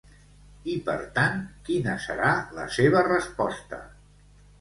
I, per tant, quina serà la seva resposta?